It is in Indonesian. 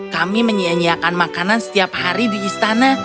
kami menyia nyiakan makanan setiap hari di istana